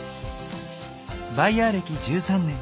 バイヤー歴１３年。